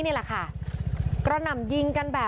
พวกมันต้องกินกันพี่